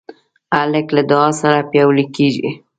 هلک له دعا سره پیاوړی کېږي.